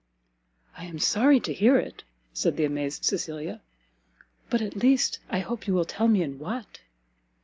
"I am sorry to hear it," said the amazed Cecilia, "but at least I hope you will tell me in what?"